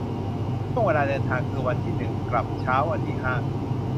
ช่วงเวลาเดินทางคือ วันที่ หนึ่ง กลับเช้าวันที่ ห้า